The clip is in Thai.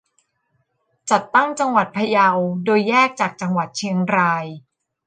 จัดตั้งจังหวัดพะเยา โดยแยกจากจังหวัดเชียงราย